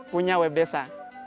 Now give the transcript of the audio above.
punya web desa